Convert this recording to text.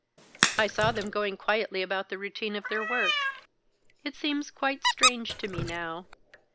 I saw them going quietly about the routine of their work. It seems quite strange to me now.